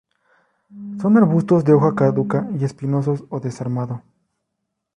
Son arbustos de hoja caduca y espinosos o desarmado.